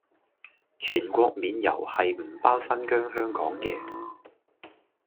全國免郵係唔包新疆香港嘅